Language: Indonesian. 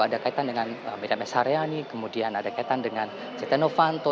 ada kaitan dengan miriam s haryani kemudian ada kaitan dengan setia novanto